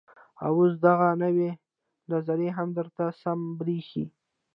او اوس دغه نوى نظر هم درته سم بريښي.